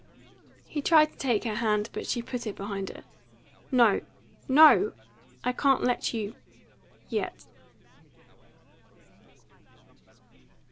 He tried to take her hand, but she put it behind her. "No, no! I can't let you yet!"